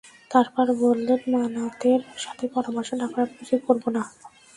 তারপর বললেন, মানাতের সাথে পরামর্শ না করে আমি কিছুই করব না।